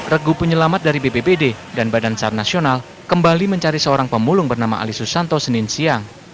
regu penyelamat dari bbbd dan badan sar nasional kembali mencari seorang pemulung bernama ali susanto senin siang